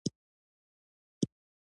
د وردګو ولایت مڼې نړیوال کچه نوم لري